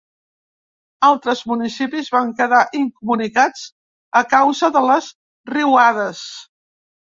Altres municipis van quedar incomunicats a causa de les riuades.